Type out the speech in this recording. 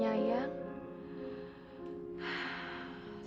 semua kesulitan pasti ada jalan keluarnya